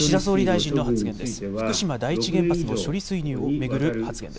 岸田総理大臣の発言です。